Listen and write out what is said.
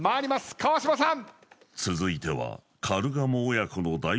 川島さん